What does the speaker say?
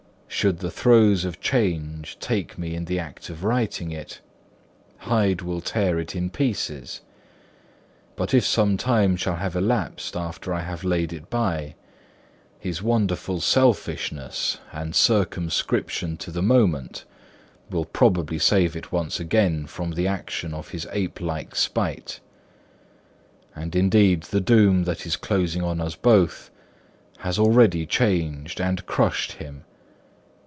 Should the throes of change take me in the act of writing it, Hyde will tear it in pieces; but if some time shall have elapsed after I have laid it by, his wonderful selfishness and circumscription to the moment will probably save it once again from the action of his ape like spite. And indeed the doom that is closing on us both has already changed and crushed him.